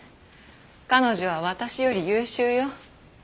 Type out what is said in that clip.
彼女は私より優秀よ。